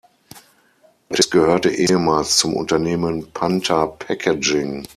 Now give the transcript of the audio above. Es gehörte ehemals zum Unternehmen Panther Packaging.